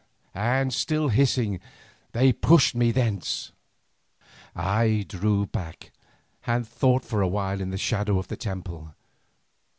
And still hissing they pushed me thence. I drew back and thought for a while in the shadow of the temple.